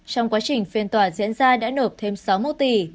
trong quá trình phiên tòa diễn ra đã nộp thêm sáu mốc tỷ